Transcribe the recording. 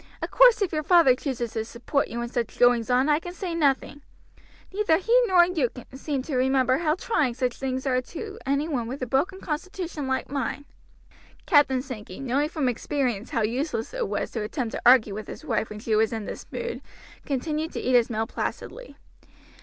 Of course if your father chooses to support you in such goings on I can say nothing. Neither he nor you seem to remember how trying such things as these are to any one with a broken constitution like mine." Captain Sankey, knowing from experience how useless it was to attempt to argue with his wife when she was in this mood, continued to eat his meal placidly.